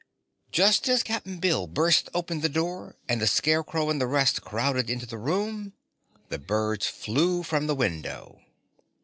Just as Cap'n Bill burst open the door, and the Scarecrow and the rest crowded into the room, the birds flew from the window.